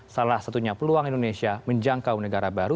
salah satunya peluang indonesia menjangkau negara baru